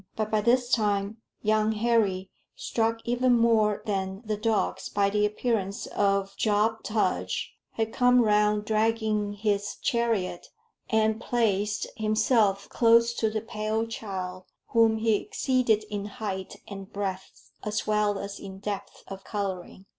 But by this time young Harry, struck even more than the dogs by the appearance of Job Tudge, had come round dragging his chariot, and placed himself close to the pale child, whom he exceeded in height and breadth, as well as in depth of coloring.